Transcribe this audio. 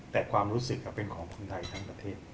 แต่ความรู้สึกเป็นของคนไทยทั้งประเทศ